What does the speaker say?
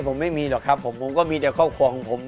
ผมไม่มีหรอกครับผมผมก็มีแต่ครอบครัวของผม